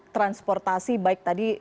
transportasi baik tadi